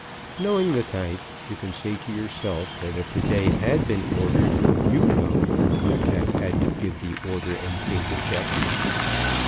Knowing the type, you can say to yourself that if the day had been ordered you know who would have had to give the order and pay the check.